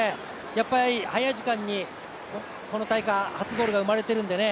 やっぱり早い時間にこの大会、初ゴールが生まれてるんでね